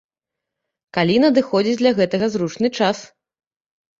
Калі надыходзіць для гэтага зручны час.